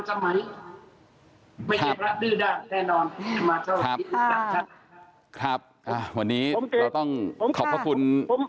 อเจมส์ครับวันนี้เราต้องขอบคุณ